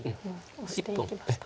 オシていきました。